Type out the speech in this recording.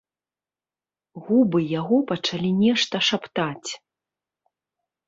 Губы яго пачалі нешта шаптаць.